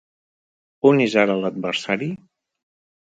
On és ara l'adversari?